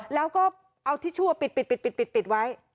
แล้วก็เอาทิชชั่วปิดไว้